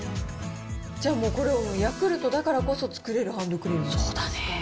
じゃあもうこれ、ヤクルトだからこそ作れるハンドクリーム。